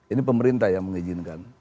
ini pemerintah yang mengizinkan